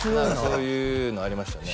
そういうのありましたね